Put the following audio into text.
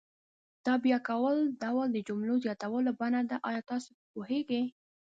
دا بیا کوم ډول د جملو زیاتولو بڼه ده آیا تاسې په پوهیږئ؟